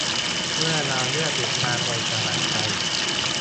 เมื่อเราเลือกหยุดงานโดยสมัครใจ